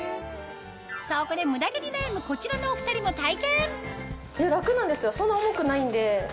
そこでムダ毛に悩むこちらのお２人も体験！